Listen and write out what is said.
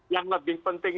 yang lebih penting